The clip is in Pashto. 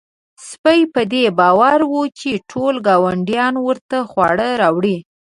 سپی په دې باور و چې ټول ګاونډیان ورته خواړه راوړي.